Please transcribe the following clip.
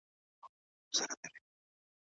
هغه خلګ چی لوړ مهارتونه لري تل ښه عايد ترلاسه کوي.